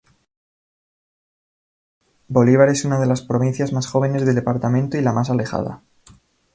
Bolívar es una de las provincias más jóvenes del departamento y la más alejada.